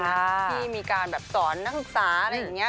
พี่มีการสอนนักคุกษาอะไรอย่างเงี้ย